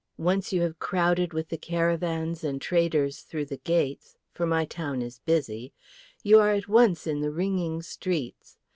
Once you have crowded with the caravans and traders through the gates, for my town is busy, you are at once in the ringing streets.